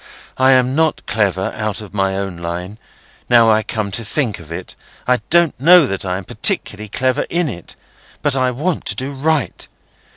I am not clever out of my own line—now I come to think of it, I don't know that I am particularly clever in it—but I want to do right.